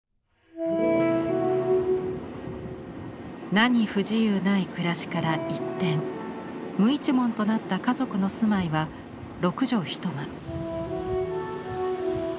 何不自由ない暮らしから一転無一文となった家族の住まいは６畳１間。